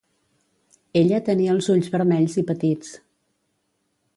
Ella tenia els ulls vermells i petits.